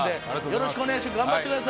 よろしくお願いします！